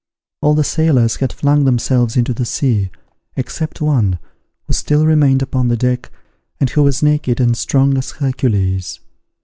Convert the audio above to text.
All the sailors had flung themselves into the sea, except one, who still remained upon the deck, and who was naked, and strong as Hercules.